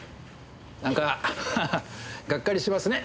なんかがっかりしますね